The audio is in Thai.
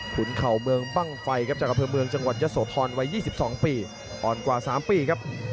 ขุนเข่าเมืองบ้างไฟครับจากอำเภอเมืองจังหวัดยะโสธรวัย๒๒ปีอ่อนกว่า๓ปีครับ